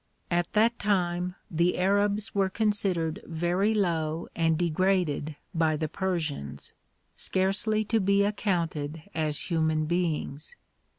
At that time the Arabs were considered very low and degraded by the Persians, scarcely to be accounted as human beings.